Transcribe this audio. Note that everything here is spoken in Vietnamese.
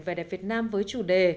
vẻ đẹp việt nam với chủ đề